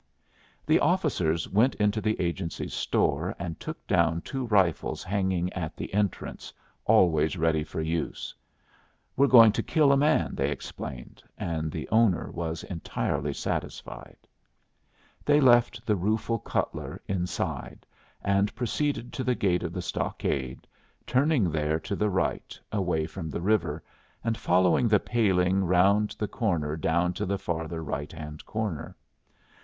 The officers went into the agency store and took down two rifles hanging at the entrance, always ready for use. "We're going to kill a man," they explained, and the owner was entirely satisfied. They left the rueful Cutler inside, and proceeded to the gate of the stockade, turning there to the right, away from the river, and following the paling round the corner down to the farther right hand corner.